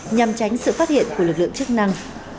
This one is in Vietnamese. nhằm tránh sự phát hiện của lực lượng chức năng